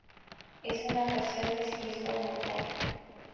Es un apasionado del ciclismo de montaña.